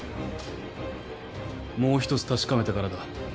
もう一つ確かめてからだ。